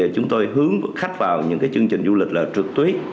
chúng tôi hướng khách vào những chương trình du lịch trượt tuyết